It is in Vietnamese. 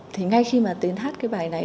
thì ngay khi mà tiến hát cái bài này